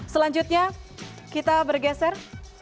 selanjutnya kita bergeser